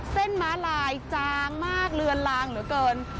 ม้าลายจางมากเลือนลางเหลือเกิน